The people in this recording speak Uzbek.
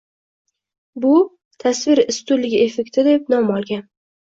Bu «tasvir ustunligi effekti» deb nom olgan.